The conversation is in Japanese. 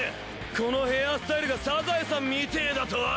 このヘアースタイルがサザエさんみてェーだとォ？